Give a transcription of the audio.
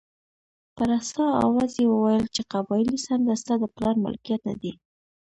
په رسا اواز یې وویل چې قبایلي څنډه ستا د پلار ملکیت نه دی.